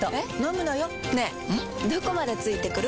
どこまで付いてくる？